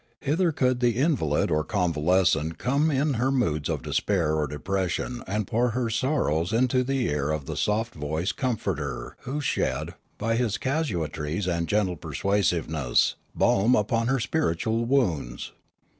Hither could the invalid or convalescent come in her moods of despair or depression and pour her sorrows into the ear of the soft voiced comforter who shed, by his casuistries and gentle persuasiveness, balm upon her spiritual wounds.